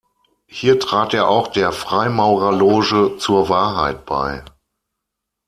Hier trat er auch der Freimaurerloge "Zur Wahrheit" bei.